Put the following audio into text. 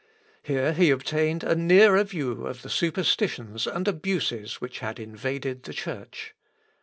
Here he obtained a nearer view of the superstitions and abuses which had invaded the Church.